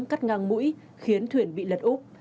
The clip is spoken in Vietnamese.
cắt ngang mũi khiến thuyền bị lật úp